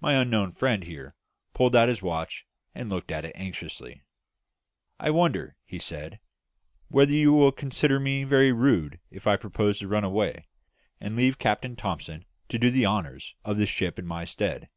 My unknown friend here pulled out his watch and looked at it anxiously. "I wonder," he said, "whether you will consider me very rude if I propose to run away, and leave Captain Thomson to do the honours of the ship in my stead?